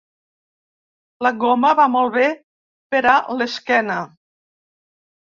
La goma va molt bé per a l'esquena.